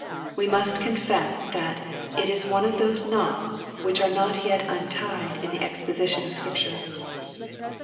We must confess that it is one of those knots which are yet untied in the exposition of Scripture.